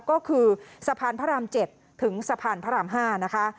ก็คือสะพานพระราม๗ถึงสะพานพระราม๕นะคะ